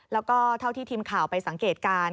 แล้วก็เท่าที่ทีมข่าวไปสังเกตการณ์